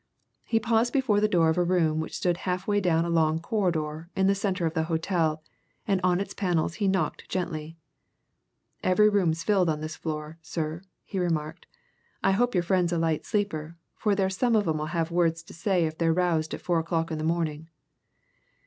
He paused before the door of a room which stood halfway down a long corridor in the centre of the hotel, and on its panels he knocked gently. "Every room's filled on this floor, sir," he remarked. "I hope your friend's a light sleeper, for there's some of 'em'll have words to say if they're roused at four o'clock in the morning."